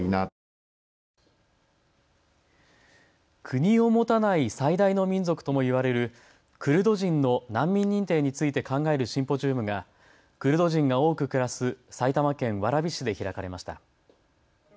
国を持たない最大の民族とも言われるクルド人の難民認定について考えるシンポジウムがクルド人が多く暮らす埼玉県蕨市で開かれました。